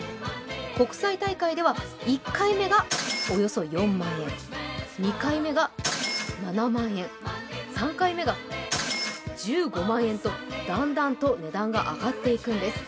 国際大会では１回目がおよそ４万円、２回目が７万円、３回目が１５万円とだんだんと値段が上がっていくんです